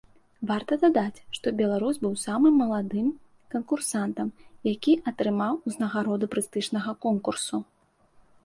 Варта дадаць, што беларус быў самым маладым канкурсантам, які атрымаў узнагароду прэстыжнага конкурсу.